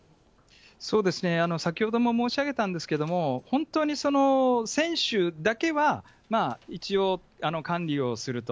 そうですね、先ほども申し上げたんですけれども、本当に選手だけは一応、管理をすると。